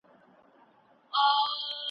خپلواک بلل سوئ